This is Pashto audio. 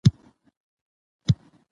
د نارينه چلن زېږنده دى،